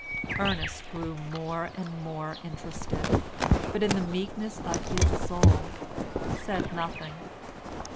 Ernest grew more and more interested, but in the meekness of his soul said nothing.